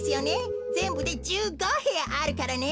ぜんぶで１５へやあるからね。